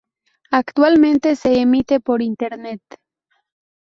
Actualmente se emite por Internet.